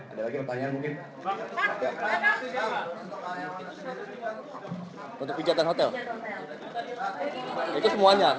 ada rencana penggugatan untuk pemda